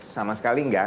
sama sekali enggak